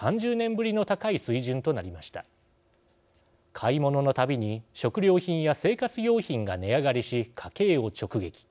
買い物のたびに食料品や生活用品が値上がりし家計を直撃。